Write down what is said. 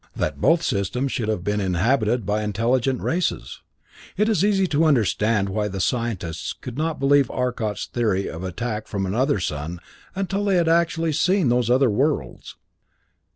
That both systems should have been inhabited by intelligent races It is easy to understand why the scientists could not believe Arcot's theory of attack from another sun until they had actually seen those other worlds.